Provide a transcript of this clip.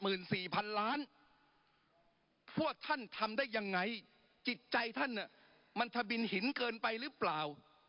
๘หมื่น๔พันล้านพวกท่านทำได้ยังไงจิตใจท่านมันทะบินหินเกินไปหรือเปล่า